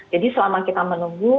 jadi selama kita menunggu